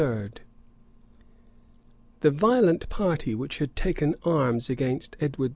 {1327.} The violent party which had taken arms against Edward II.